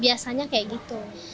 biasanya kayak gitu